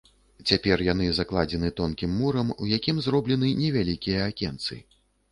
Цяпер яны закладзены тонкім мурам, у якім зроблены невялікія акенцы.